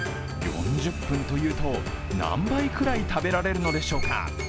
４０分というと、何杯くらい食べられるのでしょうか。